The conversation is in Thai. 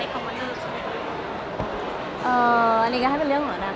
คือเราก็ตอบตัวเองไปได้เหมือนกัน